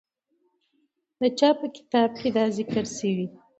د چا په کتاب کې دا ذکر سوی؟